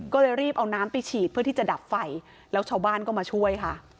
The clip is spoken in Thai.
ก็เลยรีบเอาน้ำไปฉีดเพื่อที่จะดับไฟแล้วชาวบ้านก็มาช่วยค่ะ